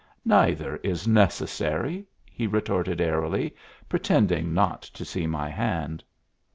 "Neither is necessary," he retorted airily, pretending not to see my hand.